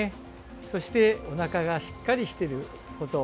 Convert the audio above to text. そしておなかがしっかりしていること。